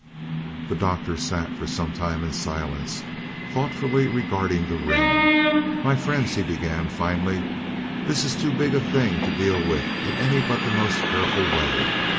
The Doctor sat for some time in silence, thoughtfully regarding the ring. "My friends," he began finally, "this is too big a thing to deal with in any but the most careful way.